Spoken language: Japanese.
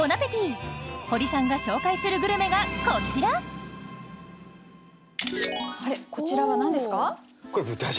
ホリさんが紹介するグルメがこちらこちらは何ですか？